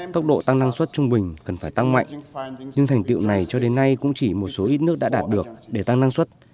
tốc độ tăng năng suất trung bình cần phải tăng mạnh nhưng thành tựu này cho đến nay cũng chỉ một số ít nước đã đạt được để tăng năng suất